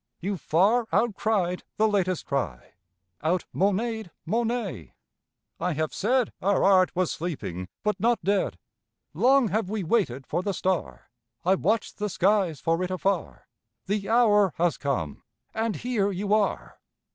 You've far outcried the latest cry— Out Monet ed Monet. I have said Our Art was sleeping, but not dead. Long have we waited for the Star, I watched the skies for it afar, The hour has come—and here you are."